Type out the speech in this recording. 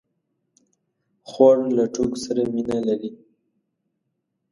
خور له ټوکو سره مینه لري.